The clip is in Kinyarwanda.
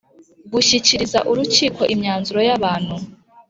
Gushyikiriza urukiko imyanzuro y abantu